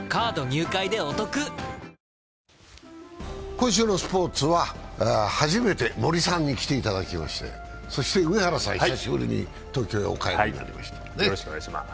今週のスポーツは初めて森さんに来ていただきましてそして上原さん、久しぶりに東京にお帰りになりました。